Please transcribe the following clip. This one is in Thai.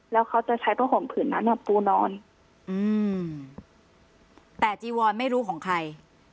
แล้วเขาจะใช้ผ้าห่มผืนนั้นปูนอนแต่จีวอนไม่รู้ของใคร